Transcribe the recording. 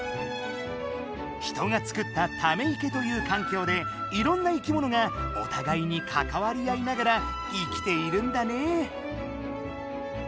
人がつくったため池という環境でいろんな生きものがおたがいにかかわり合いながら生きているんだね。